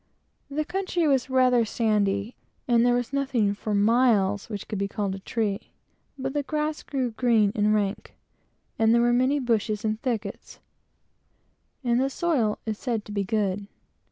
The country was rather sandy, and there was nothing for miles which could be called a tree, but the grass grew green and rank, and there were many bushes and thickets, and the soil is said to be good.